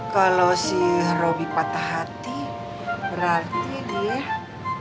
kalau si robby patah hati berarti dia putus dong sama si robby